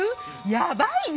やばいよ。